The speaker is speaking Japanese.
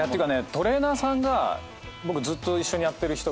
トレーナーさんが僕ずっと一緒にやってる人がいて。